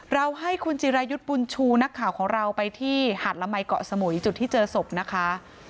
เราให้คุณจิรายุทธ์บุญชูนักข่าวของเราไปที่หาดละมัยเกาะสมุยจุดที่เจอศพนะคะ